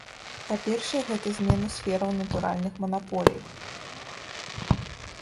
Па-першае, гэта змена сфераў натуральных манаполій.